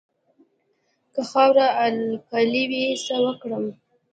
که خاوره القلي وي څه وکړم؟